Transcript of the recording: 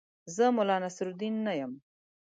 زه ملا نصرالدین نه یم.